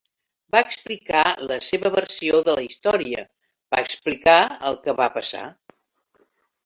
Va explicar la seva versió de la història, va explicar el que va passar.